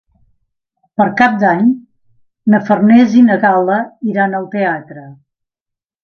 Per Cap d'Any na Farners i na Gal·la iran al teatre.